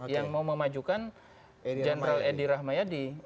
yang mau memajukan jenderal edi rahmayadi